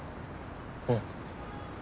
うん。